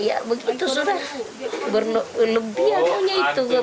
ya begitu sudah lebih anunya itu